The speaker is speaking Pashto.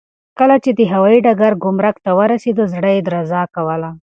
کله چې دی د هوايي ډګر ګمرک ته ورسېد، زړه یې درزا کوله.